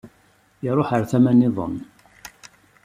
Iṛuḥ ɣer tama nniḍen.